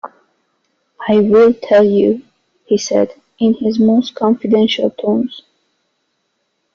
"I will tell you," he said, in his most confidential tones.